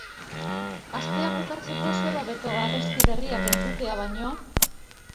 Astea bukatzeko zer hobeto abesti berriak entzutea baino?